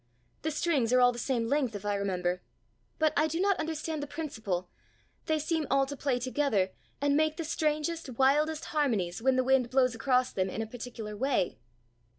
The strings are all the same length, if I remember. But I do not understand the principle. They seem all to play together, and make the strangest, wildest harmonies, when the wind blows across them in a particular way."